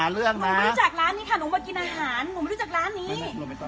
หนูโวยวายอะไรคะพี่หนูโวยวายอะไรหนูบอกว่า